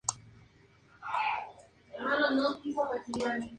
Nicolás aparece como regidor y su hermano, posiblemente, servía en el Arma de Artillería.